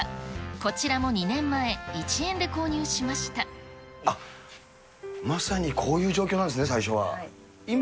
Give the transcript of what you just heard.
こちらも２年前、１円で購入しまあっ、まさにこういう状況なんですね、最初は。